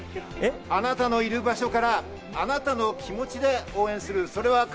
あなたのいる場所からあなたの気持ちで応援する。